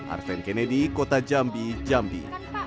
arven kennedy kota jambi jambi